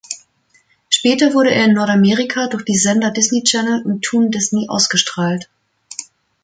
Später wurde er in Nordamerika durch die Sender Disney Channel und Toon Disney ausgestrahlt.